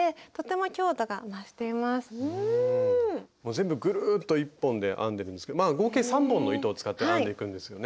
全部ぐるっと１本で編んでるんですけどまあ合計３本の糸を使って編んでいくんですよね。